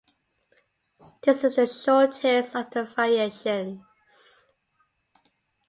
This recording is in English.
This is the shortest of the variations.